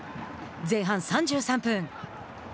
前半３３分。